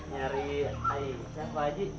nyari aisyah pak haji